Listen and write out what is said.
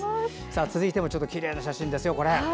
続いてもきれいな写真です。